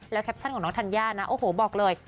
แคปชั่นของน้องธัญญานะโอ้โหบอกเลย